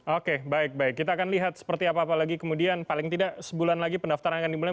oke baik baik kita akan lihat seperti apa apalagi kemudian paling tidak sebulan lagi pendaftaran akan dimulai